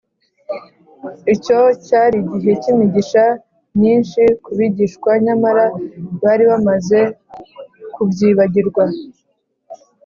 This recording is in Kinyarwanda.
” icyo cyari igihe cy’imigisha myinshi ku bigishwa, nyamara bari bamaze kubyibagirwa